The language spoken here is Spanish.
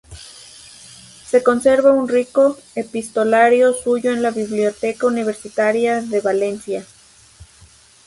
Se conserva un rico epistolario suyo en la Biblioteca Universitaria de Valencia.